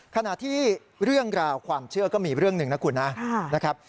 ขณะที่เรื่องราวความเชื่อก็มีเรื่องหนึ่งนะคุณนะครับ